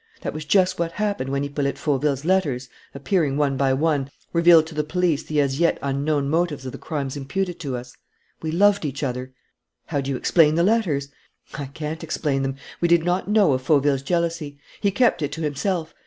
That was just what happened when Hippolyte Fauville's letters, appearing one by one, revealed to the police the as yet unknown motives of the crimes imputed to us. We loved each other." "How do you explain the letters?" "I can't explain them. We did not know of Fauville's jealousy. He kept it to himself.